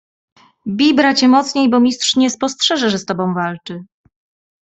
"Bij, bracie, mocniej, bo mistrz nie spostrzeże, że z tobą walczy."